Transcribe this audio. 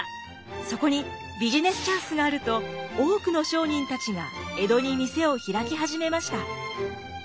そこにビジネスチャンスがあると多くの商人たちが江戸に店を開き始めました。